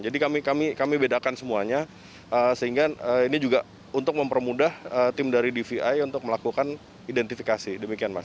jadi kami bedakan semuanya sehingga ini juga untuk mempermudah tim dari dvi untuk melakukan identifikasi demikian mas